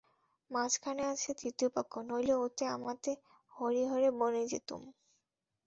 মাঝখানে আছে তৃতীয় পক্ষ, নইলে ওতে আমাতে হরিহর বনে যেতুম।